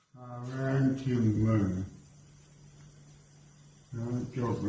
คุณตำรวจค่ะ